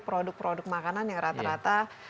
produk produk makanan yang rata rata